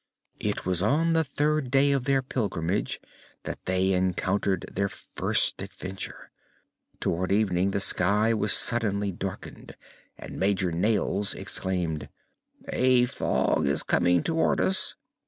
It was on the third day of their pilgrimage that they encountered their first adventure. Toward evening the sky was suddenly darkened and Major Nails exclaimed: "A fog is coming toward us."